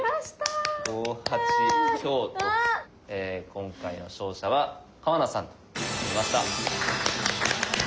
今回の勝者は川名さんとなりました。